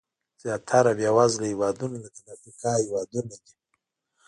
زیاتره بېوزله هېوادونه لکه د افریقا هېوادونه دي.